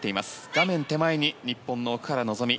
画面手前に日本の奥原希望。